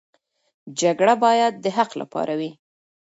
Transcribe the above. جګړه باید د حق لپاره وي.